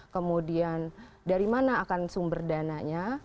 kemudian dari mana akan sumber dananya